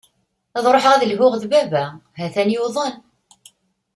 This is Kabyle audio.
Ad ruḥeɣ ad lhuɣ d baba, ha-t-an yuḍen.